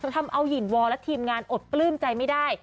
ทำเอาหินวอลและทีมงานอดปลื้มใจไม่ได้